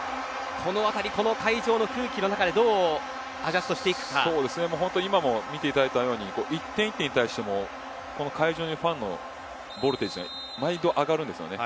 このあたりこの会場の空気の中で本当に今も見ていただいたように１点１点に対しても会場のファンのボルテージが毎度上がるんですよね。